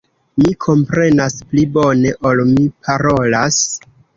Mi komprenas pli bone ol mi parolas.